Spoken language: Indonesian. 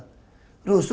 kalau orang bisa